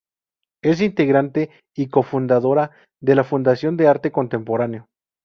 Es integrante y cofundadora de la Fundación de Arte Contemporáneo.